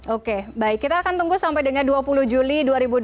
oke baik kita akan tunggu sampai dengan dua puluh juli dua ribu dua puluh